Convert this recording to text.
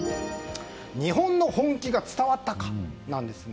日本の本気が伝わったかなんです。